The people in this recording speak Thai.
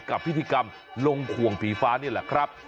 กับพิธีกรรมลงขวงผีฟ้านี่แหละครับ